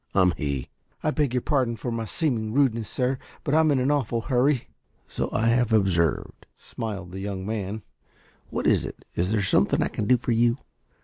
"I am he." "I beg your pardon for my seeming rudeness, sir, but I'm in an awful hurry." "So I have observed," smiled the young man. "What is it is there something I can do for you?"